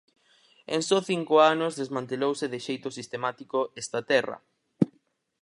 En só cinco anos desmantelouse de xeito sistemático esta terra.